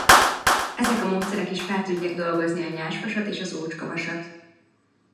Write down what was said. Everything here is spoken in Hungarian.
Ezek az módszerek is fel tudják dolgozni a nyersvasat és az ócskavasat.